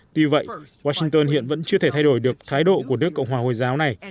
tuy vậy washington hiện vẫn chưa thể thay đổi được thái độ của nước cộng hòa hồi giáo này